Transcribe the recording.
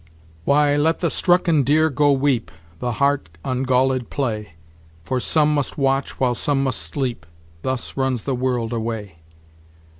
"Why, let the strucken deer go weep, The hart ungalled play, For some must watch, while some must sleep, Thus runs the world away."